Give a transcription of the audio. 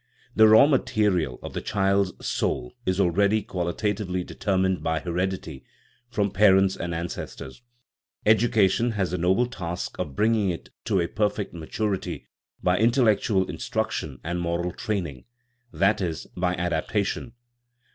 The raw material of the child's soul is already qualitatively determined by heredity from parents and ancestors; education has the noble task of bringing it to a perfect maturity by intellectual instruction and moral training that is, by adaptation.